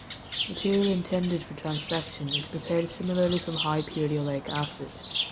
Material intended for transfection is prepared similarly from high purity oleic acid.